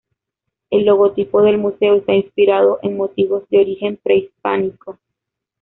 El logotipo del museo está inspirado en motivos de origen prehispánico.